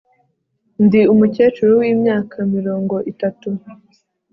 Ndi umukecuru wimyaka mirongo itatu